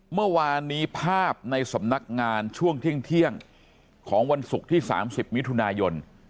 เมื่อวานนี้ภาพในสำนักงานช่วงเที่ยงของวันศุกร์ที่๓๐มิถุนายน